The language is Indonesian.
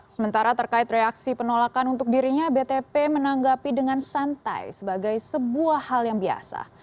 sementara terkait reaksi penolakan untuk dirinya btp menanggapi dengan santai sebagai sebuah hal yang biasa